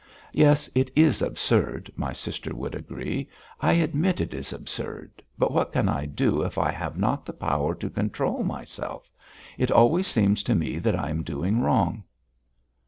"Yes, it is absurd," my sister would agree. "I admit it is absurd, but what can I do if I have not the power to control myself. It always seems to me that I am doing wrong."